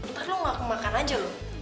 ntar lo mau aku makan aja loh